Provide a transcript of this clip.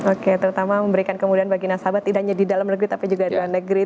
oke terutama memberikan kemudahan bagi nasabah tidak hanya di dalam negeri tapi juga di luar negeri